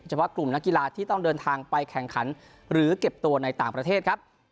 ว่ากลุ่มนักกีฬาที่ต้องเดินทางไปแข่งขันหรือเก็บตัวในต่างประเทศครับ